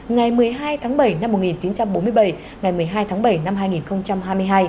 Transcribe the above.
ngày một mươi hai tháng bảy năm một nghìn chín trăm bốn mươi bảy ngày một mươi hai tháng bảy năm hai nghìn hai mươi hai